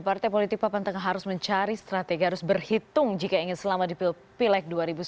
partai politik papanteng harus mencari strategi harus berhitung jika ingin selamat di pilpres dua ribu sembilan belas